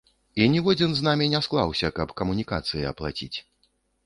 І ніводзін з намі не склаўся, каб камунікацыі аплаціць.